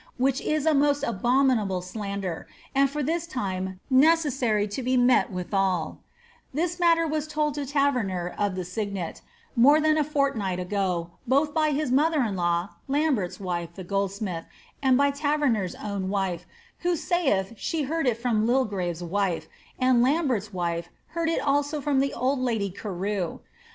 which is a most abominable slander, and for this time necessary to be met withal This matter was told to Taverner of the SierneL, more than a fortnigh ago, both by his mother in law (Lambert's wife, the goldsmith), and br Taverner's own wife, who saith ahe heard it of Lilgtave's wife, and Lam bert's wife heard it also of the old lady Carew.